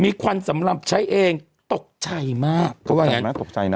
มีควันสำหรับใช้เองตกใจมากเขาว่าไงน่าตกใจนะ